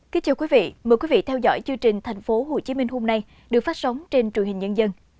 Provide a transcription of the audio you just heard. kính chào quý vị mời quý vị theo dõi chương trình thành phố hồ chí minh hôm nay được phát sóng trên truyền hình nhân dân